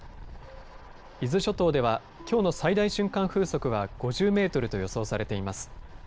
伊豆諸島では、きょうの最大瞬間風速は５０メートルと予想されています。